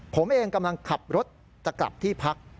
ผมเองกำลังขับรถจะกลับที่พัก